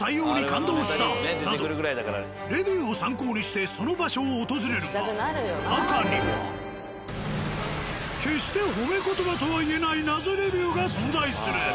レビューを参考にしてその場所を訪れるが中には決して褒め言葉とは言えない謎レビューが存在する。